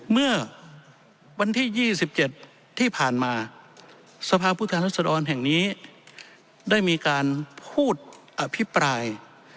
เมื่อวันที่๒๗ที่ผ่านมาสภาพผู้แทนรัศดรแห่งนี้ได้มีการพูดอภิปราย